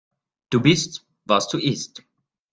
Du bist, was du isst.